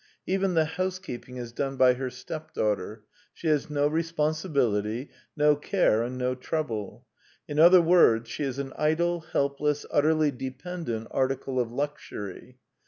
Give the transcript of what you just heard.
Even the house keeping is done by her stepdaughter : she has no responsibility, no care, and no trouble. In other words, she is an idle, helpless, utterly dependent article of luxury.